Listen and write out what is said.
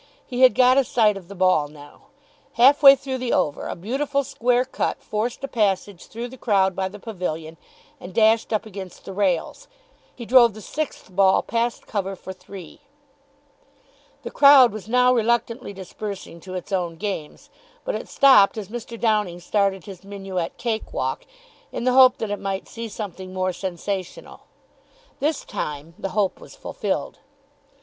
He had got a sight of the ball now. Half way through the over a beautiful square cut forced a passage through the crowd by the pavilion, and dashed up against the rails. He drove the sixth ball past cover for three. The crowd was now reluctantly dispersing to its own games, but it stopped as Mr. Downing started his minuet cake walk, in the hope that it might see something more sensational. This time the hope was fulfilled.